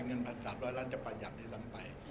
เงิน๑๓๐๐ล้านจะประหยัดด้วยซ้ำไป